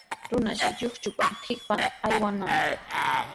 Runashi lluychupa qipanta aywanaq.